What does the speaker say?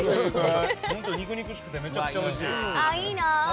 本当、肉々しくてめちゃくちゃおいしい。